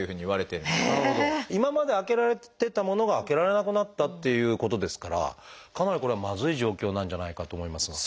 今まで開けられてたものが開けられなくなったということですからかなりこれはまずい状況なんじゃないかと思いますが。